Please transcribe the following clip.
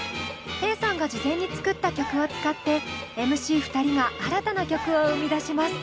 テイさんが事前に作った曲を使ってＭＣ２人が新たな曲を生み出します。